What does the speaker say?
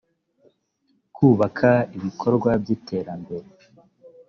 kubaka ibikorwa by iterambere